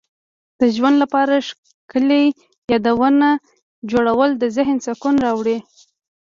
د ژوند لپاره ښکلي یادونه جوړول د ذهن سکون راوړي.